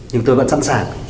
nhưng tôi vẫn sẵn sàng